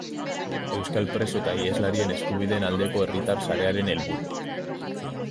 Euskal preso eta iheslarien eskubideen aldeko herritar sarearen helburuak.